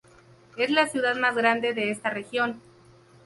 Es la ciudad más grande de esta región.